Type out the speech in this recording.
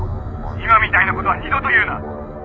「今みたいなことは二度と言うな！